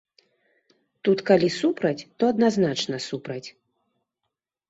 Тут калі супраць, то адназначна супраць.